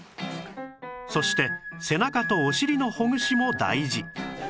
そして背中とお尻のほぐしも大事